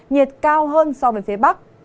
nhiệt cao hơn so với phía bắc